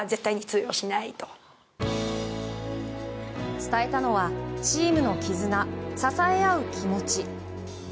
伝えたのはチームの絆支え合う気持ち。